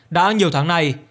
đã nhiều tháng này